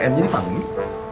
em jadi panggil